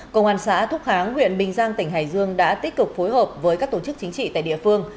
công an xã thúc kháng huyện bình giang tỉnh hải dương đã tích cực phối hợp với các tổ chức chính trị tại địa phương